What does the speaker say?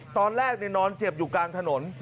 ตอนแรกนอนเจ็บอยู่กลางถนน